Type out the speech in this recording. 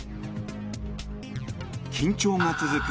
緊張が続く